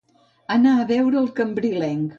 Anar a veure el cambrilenc.